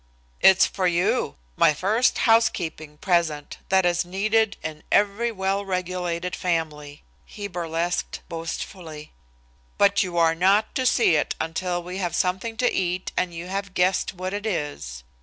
"It's for you, my first housekeeping present, that is needed in every well regulated family," he burlesqued boastfully, "but you are not to see it until we have something to eat, and you have guessed what it is."